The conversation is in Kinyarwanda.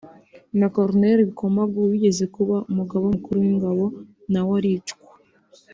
na Col Bikomagu wigeze kuba umugaba mukuru w’ingabo nawe aricwa